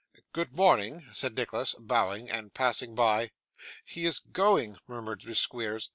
'Good morning,' said Nicholas, bowing and passing by. 'He is going,' murmured Miss Squeers.